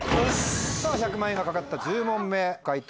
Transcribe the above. １００万円が懸かった１０問目解答